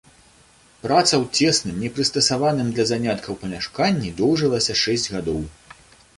Праца ў цесным, непрыстасаваным для заняткаў памяшканні доўжылася шэсць гадоў.